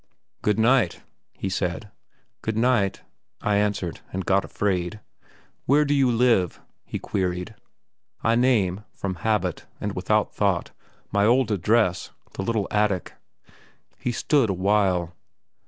"Good night," he said. "Good night," I answered and got afraid. "Where do you live?" he queried. I name, from habit, and without thought, my old address, the little attic. He stood for a while.